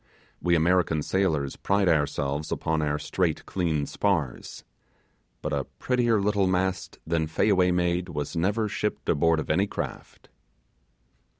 We American sailors pride ourselves upon our straight, clean spars, but a prettier little mast than Fayaway made was never shipped aboard of any craft.